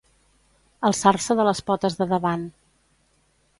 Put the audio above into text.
Alçar-se de les potes de davant.